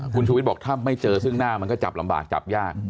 คุณชูวิทย์บอกถ้าไม่เจอซึ่งหน้ามันก็จับลำบากจับยาก